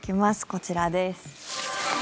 こちらです。